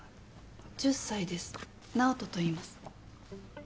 １０歳です直人といいます。